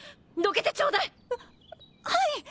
どけてちょうだい！